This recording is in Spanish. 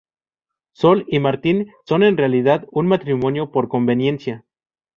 Sol y Martín son en realidad un matrimonio por conveniencia.